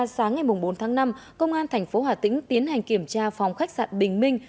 sáng ngày bốn tháng năm công an thành phố hà tĩnh tiến hành kiểm tra phòng khách sạn bình minh